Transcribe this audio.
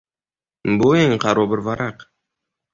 Bu eng qaro bir varaq.